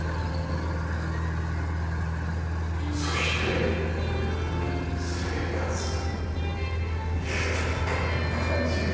そして生活豊かな感じがしますね。